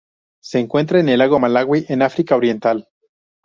Se encuentra el lago Malawi en África Oriental.